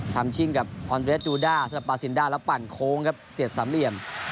ชิ่งกับออนเรสดูด้าสำหรับปาซินด้าแล้วปั่นโค้งครับเสียบสามเหลี่ยม